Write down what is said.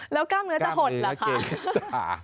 แล้วกล้ามเนื้อจะหดเหรอคะ